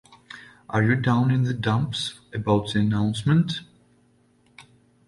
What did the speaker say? Are you down in the dumps about the announcement?